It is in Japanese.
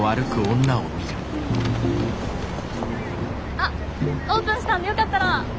あっオープンしたんでよかったら。